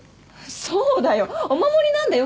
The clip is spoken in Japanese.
そうだよお守りなんだよ？